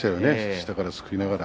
下からすくいながら。